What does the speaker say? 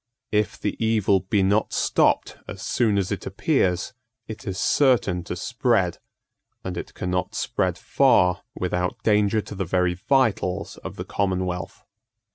If the evil be not stopped as soon as it appears, it is certain to spread; and it cannot spread far without danger to the very vitals of the commonwealth.